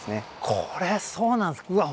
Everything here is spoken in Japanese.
これそうなんですうわ